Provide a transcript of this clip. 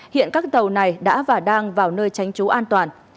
hiện các tàu này đã và đang vào nơi tránh trú an toàn